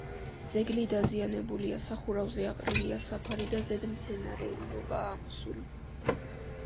ძეგლი დაზიანებულია: სახურავზე აყრილია საფარი და ზედ მცენარეულობაა ამოსული.